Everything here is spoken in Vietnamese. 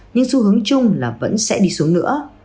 nhưng xu hướng chung là vẫn sẽ đi xuống nữa